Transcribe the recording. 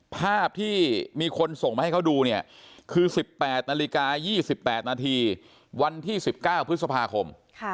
ภาพที่มีคนส่งมาให้เขาดูเนี่ยคือ๑๘นาฬิกา๒๘นาทีวันที่๑๙พฤษภาคม